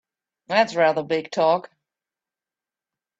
That's rather big talk!